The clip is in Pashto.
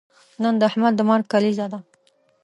نن د احمد د مرګ کلیزه ده.